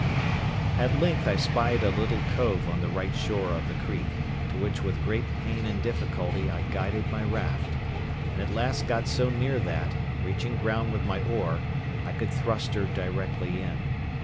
At length I spied a little cove on the right shore of the creek, to which with great pain and difficulty I guided my raft, and at last got so near that, reaching ground with my oar, I could thrust her directly in.